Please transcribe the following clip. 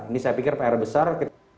ini saya pikir pr besar